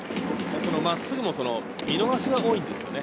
真っすぐも見逃しが多いんですよね。